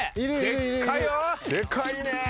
でかいよ。